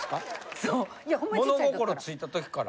物心ついた時から？